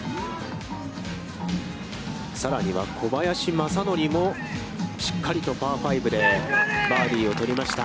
さらには小林正則もしっかりとパー５でバーディーを取りました。